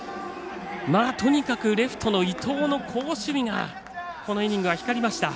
とにかくレフトの伊藤の好守備がこのイニングは光りました。